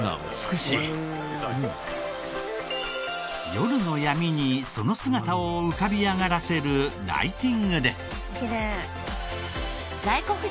夜の闇にその姿を浮かび上がらせるライティングです。